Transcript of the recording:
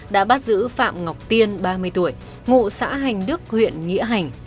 đã bắt giữ phạm ngọc tiên ba mươi tuổi ngụ xã hành đức huyện nghĩa hành